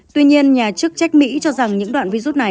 tuy nhiên nhà chức trách mỹ cho rằng những đoạn virus này